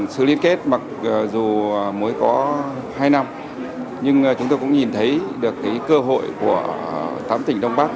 sự liên kết mặc dù mới có hai năm nhưng chúng tôi cũng nhìn thấy được cơ hội của tám tỉnh đông bắc